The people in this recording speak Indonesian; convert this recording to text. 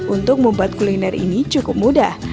untuk membuat kuliner ini cukup mudah